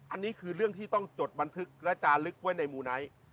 อันนี้คือเรื่องที่ต้องจดบันทึกและจาลึกไว้ในมูไนท์